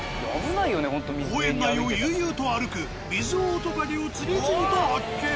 公園内を悠々と歩くミズオオトカゲを次々と発見。